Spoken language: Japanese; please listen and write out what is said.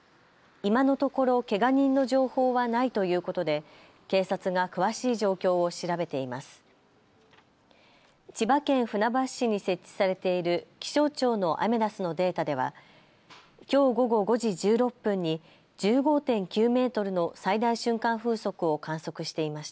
今のところ、けが人の情報はないということで警察が詳しい状況を調べています。